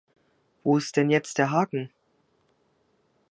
Wo ist denn jetzt der Haken?